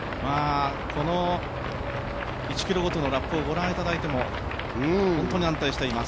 この１ｋｍごとのラップをご覧いただいても本当に安定しています。